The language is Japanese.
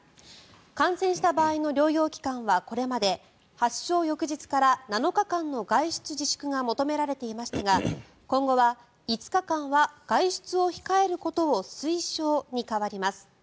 感染した場合の療養期間はこれまで発症翌日から７日間の外出自粛が求められていましたが今後は５日間は外出を控えることを推奨に変わります。